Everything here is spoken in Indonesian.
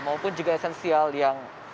maupun juga esensial yang